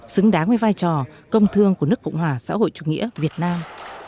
xứng đáng với vai trò công thương của nước cộng hòa xã hội chủ nghĩa việt nam